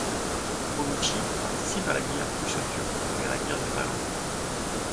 Paulucci participe à la guerre russo-turque puis à la guerre de Finlande.